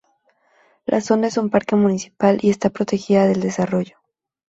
La zona es un parque municipal y está protegida del desarrollo.